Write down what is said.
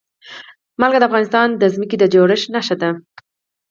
نمک د افغانستان د ځمکې د جوړښت نښه ده.